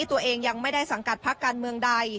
ตัวเองยังไม่ได้สังกัดพักการเมืองใด